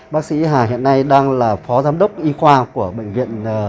và phó giám đốc y khoa của bệnh viện